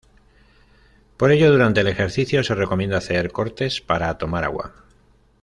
Por ello, durante el ejercicio, se recomienda hacer cortes para tomar agua.